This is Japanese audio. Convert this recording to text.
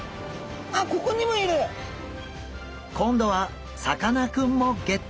今度はさかなクンもゲット！